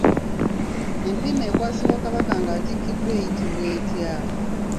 Empiima ekwasibwa Kabaka ng'atikkiddwa eyitibwa etya?